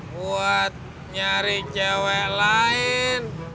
buat nyari cewek lain